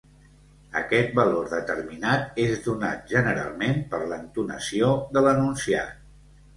Aquest valor determinat és donat, generalment, per l'entonació de l'enunciat.